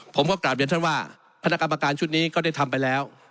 ผมก็กลับเรียนท่านว่าคณะกรรมการชุดนี้ก็ได้ทำไปแล้ว